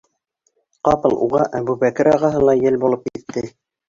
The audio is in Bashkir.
Ҡапыл уға Әбүбәкер ағаһы ла йәл булып китте.